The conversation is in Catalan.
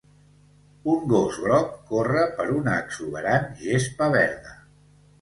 Un gos groc corre per una exuberant gespa verda.